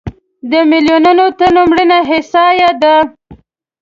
د میلیونونو تنو مړینه احصایه ده.